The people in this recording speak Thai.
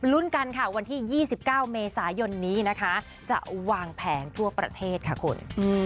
ลุ้นกันวันที่๒๙เมษายนจะวางแผงทั่วประเทศค่ะคุณ